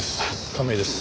亀井です。